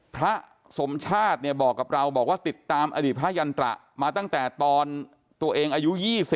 พระสมชาติเนี่ยบอกกับเราบอกว่าติดตามอดีตพระยันตระมาตั้งแต่ตอนตัวเองอายุ๒๐